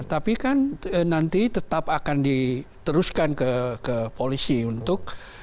tapi kan nanti tetap akan diteruskan ke polisi untuk